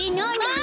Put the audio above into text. あ！